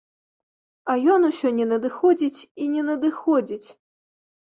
А ён усё не надыходзіць і не надыходзіць.